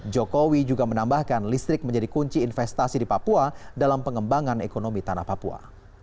jokowi juga menambahkan listrik menjadi kunci investasi di papua dalam pengembangan ekonomi tanah papua